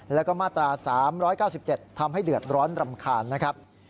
แล้วก็มาตรา๓๙๗ทำให้เดือดร้อนรำคาญนะครับ